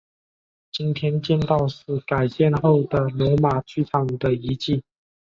今天见到的是改建后的罗马剧场的遗迹。